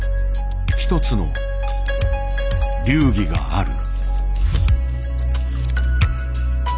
一つの流儀がある。